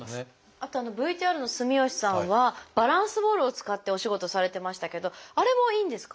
あとＶＴＲの住吉さんはバランスボールを使ってお仕事されてましたけどあれもいいんですか？